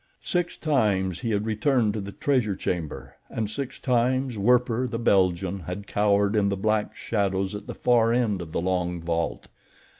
Six times he had returned to the treasure chamber, and six times Werper, the Belgian, had cowered in the black shadows at the far end of the long vault.